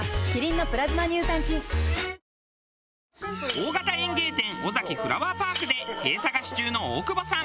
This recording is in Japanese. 大型園芸店オザキフラワーパークで「へぇ」探し中の大久保さん。